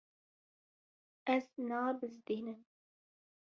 Ez nabizdînim.